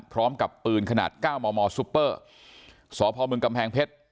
พร้อมกับปืนขนาด๙มมซุปเปอร์สพเมืองกำแพงเพชร